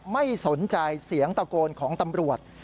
ไม่สนใจเสียงตะโกนของตำรวจ